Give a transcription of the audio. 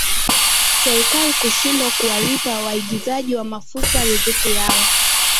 serikali kushindwa kuwalipa waagizaji wa mafuta ruzuku yao